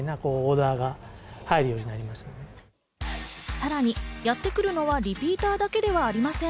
さらにやってくるのはリピーターだけではありません。